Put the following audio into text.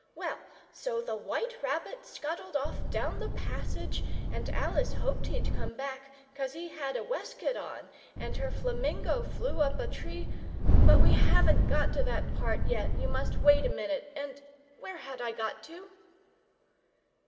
Well, so the White Rabbit scuttled off down the passage and Alice hoped he'd come back 'cos he had a waistcoat on and her flamingo flew up a tree but we haven't got to that part yet you must wait a minute, and where had I got to?"